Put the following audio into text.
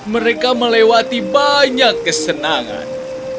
mereka melewati banyak kesenangan